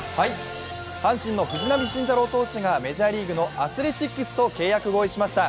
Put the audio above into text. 阪神の藤浪晋太郎投手がメジャーリーグのアスレチックスと契約合意しました。